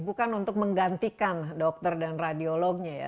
bukan untuk menggantikan dokter dan radiolognya ya